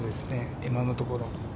今のところ。